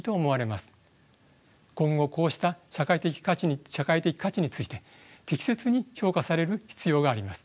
今後こうした社会的価値について適切に評価される必要があります。